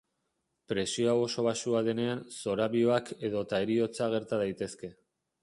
Presio hau oso baxua denean, zorabioak edota heriotza gerta daitezke.